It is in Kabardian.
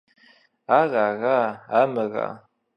Ар ара, амыра?